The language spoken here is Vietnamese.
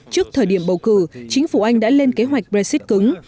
trước thời điểm bầu cử chính phủ anh đã lên kế hoạch brexit cứng